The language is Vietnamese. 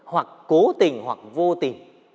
hoặc cố tình hoặc vô tình